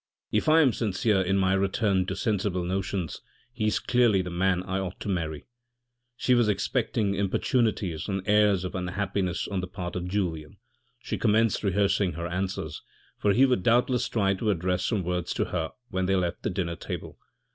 " If I am sincere in my return to sensible notions, he is clearly the man I ought to marry." She was expecting importunities and airs of unhappiness on the part of Julien ; she commenced rehearsing her answers, for he would doubtless try to address some words to her when they left the dinner table.